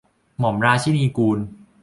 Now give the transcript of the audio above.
หม่อมราชินิกูล